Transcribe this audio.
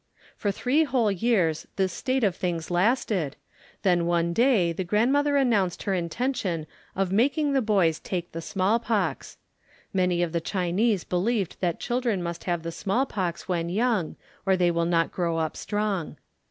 For three whole years this state of things lasted, then one day the grandmother announced her intention of making the two boys take the smallpox. (Many of the Chinese believed that children must have the smallpox when young or they will not grow up strong).